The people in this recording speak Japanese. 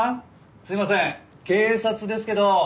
すいません警察ですけど。